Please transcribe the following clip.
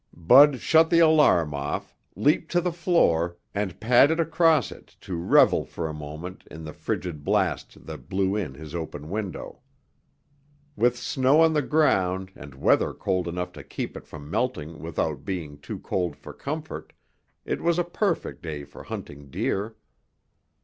Bud shut the alarm off, leaped to the floor, and padded across it to revel for a moment in the frigid blast that blew in his open window. With snow on the ground and weather cold enough to keep it from melting without being too cold for comfort, it was a perfect day for hunting deer.